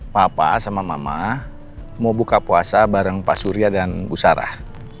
papa sama mama mau buka puasa bareng pak surya dan bu sarah